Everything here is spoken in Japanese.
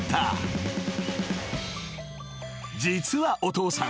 ［実はお父さん。